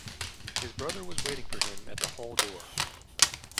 His brother was waiting for him at the hall door.